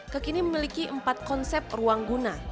kekini memiliki empat konsep ruang guna